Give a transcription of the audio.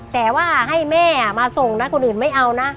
แต่ว่าให้แม่มาส่งนะคนอื่นไม่เอานะ